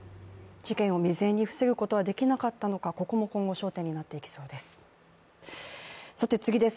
事件を未然に防ぐことはできなかったのか、ここも今後焦点になっていきそうです。